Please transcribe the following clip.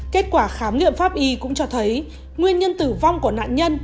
kết quả khám nghiệm pháp y cũng cho thấy nguyên nhân tử vong của nạn nhân